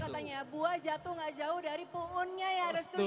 buah jatuh gak jauh dari pu'unnya ya restu